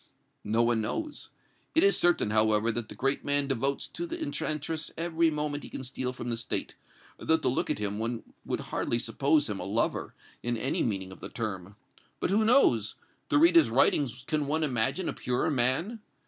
"No one knows. It is certain, however, that the great man devotes to the enchantress every moment he can steal from the State, though to look at him one would hardly suppose him a lover, in any meaning of the term. But who knows? To read his writings can one imagine a purer man?